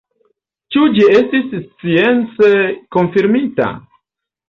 Ĉu ĝi estis science konfirmita?